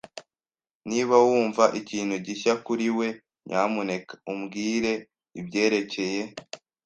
Niba wumva ikintu gishya kuri we, nyamuneka umbwire ibyerekeye.